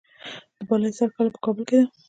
د بالاحصار کلا په کابل کې ده